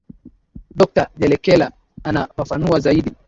doctor jelekela anafafanua zaidi